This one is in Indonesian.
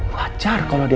wajar kalau dia bisa